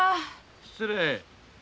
失礼。